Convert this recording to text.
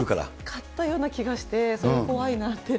使ったような気がして、それ、怖いなって。